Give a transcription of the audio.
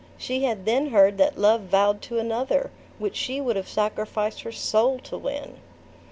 She had then heard that love vowed to another, which she would have sacrificed her soul to win!